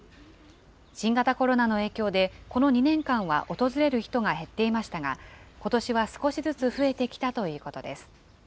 新型コロナの影響で、この２年間は訪れる人が減っていましたが、ことしは少しずつ増えてきたということです。